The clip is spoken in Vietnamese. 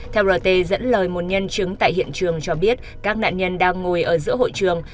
theo rt dẫn lời một nhân chứng tại hiện trường cho biết các nạn nhân đang ngồi ở giữa hội trường